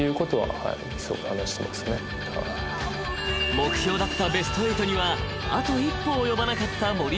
［目標だったベスト８にはあと一歩及ばなかった森保ジャパン］